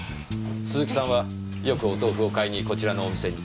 鈴木さんはよくお豆腐を買いにこちらのお店に？